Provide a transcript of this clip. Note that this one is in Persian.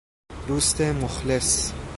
دوست مخلص